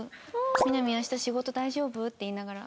「みな実明日仕事大丈夫？」って言いながら。